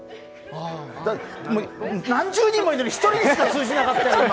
何十人もいるのに１人にしか通じなかったぞ、今。